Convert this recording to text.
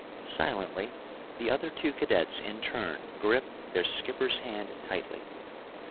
Silently the other two cadets in turn gripped their skipper's hand tightly.